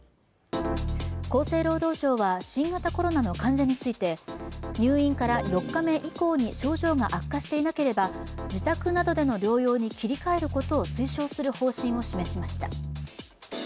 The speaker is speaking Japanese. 厚生労働省は新型コロナの患者について入院から４日目以降に症状が悪化していなければ自宅などでの療養に切り替えることを推奨する方針を示しました。